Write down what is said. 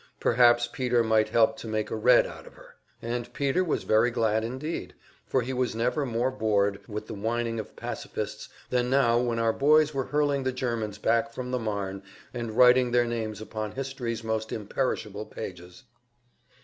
Perhaps Peter might help to make a Red out of her! And Peter was very glad indeed, for he was never more bored with the whining of pacifists than now when our boys were hurling the Germans back from the Marne and writing their names upon history's most imperishable pages.